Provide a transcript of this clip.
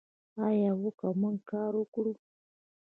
آیا او که موږ کار وکړو؟